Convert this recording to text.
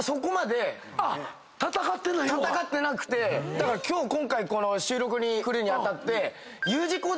だから今日今回この収録に来るに当たって。